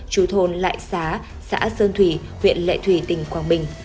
chú thôn lại xá xã sơn thủy huyện lệ thủy tỉnh quảng bình